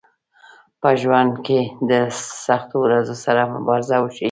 په ژوند کې له سختو ورځو سره مبارزه وشئ